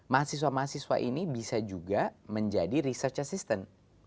mahasiswa mahasiswa ini bisa juga menjadi research assistant